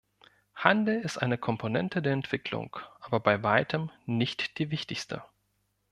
Handel ist eine Komponente der Entwicklung, aber bei weitem nicht die wichtigste.